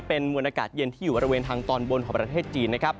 เป็นมวลอากาศเย็นที่อยู่บริเวณทางตอนบนของประเทศจีนนะครับ